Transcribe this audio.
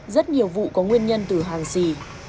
rất nhiều vụ có nguyên nhân từ hàng xì